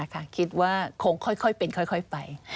คิดว่าคงค่อยเป็นค่อยไป